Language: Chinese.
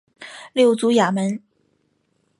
六足亚门。